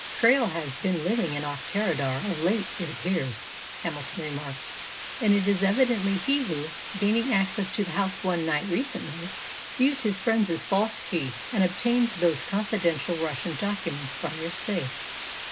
"Krail has been living in Auchterarder of late, it appears," Hamilton remarked, "and it is evidently he who, gaining access to the house one night recently, used his friend's false key, and obtained those confidential Russian documents from your safe."